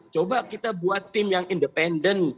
coba kita buat tim yang independen